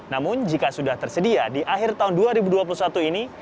namun jika sudah tersedia di akhir tahun dua ribu dua puluh satu ini